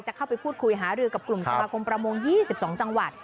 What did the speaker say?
เข้าไปพูดคุยหารือกับกลุ่มสมาคมประมง๒๒จังหวัด